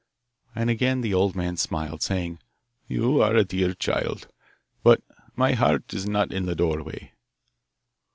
And again the old man smiled, saying, 'You are a dear child, but my heart is not in the doorway.